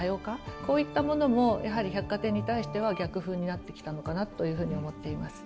こういったものもやはり百貨店に対しては逆風になってきたのかなというふうに思っています。